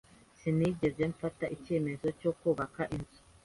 Sinigeze mfata icyemezo cyo kubaka inzu.